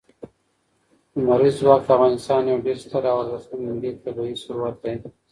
لمریز ځواک د افغانستان یو ډېر ستر او ارزښتمن ملي طبعي ثروت دی.